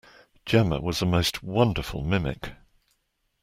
Jemma was a most wonderful mimic.